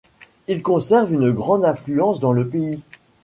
Il conserve une grande influence dans le pays.